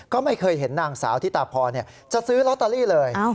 ก็ไม่เคยเห็นนางสาวธิตาพรจะซื้อลอตเตอรี่เลย